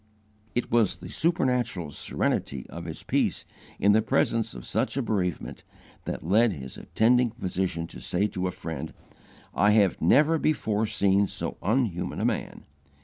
It was the supernatural serenity of his peace in the presence of such a bereavement that led his attending physician to say to a friend, "I have never before seen so unhuman a man."